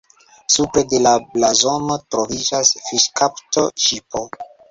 Supre de la blazono troviĝas fiŝkapto-ŝipo.